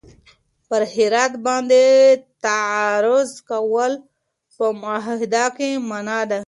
پر هرات باندې تعرض کول په معاهده کي منع دي.